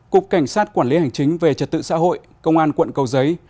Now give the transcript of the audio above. cục cảnh sát quản lý hành chính về trật tự xã hội công an quận cầu giấy